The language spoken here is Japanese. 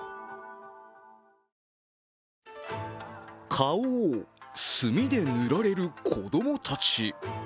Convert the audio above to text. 顔を墨で塗られる子供たち。